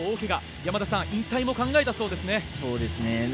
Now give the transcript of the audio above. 山田さん引退も考えたそうですね。